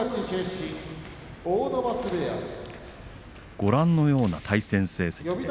ご覧のような対戦成績。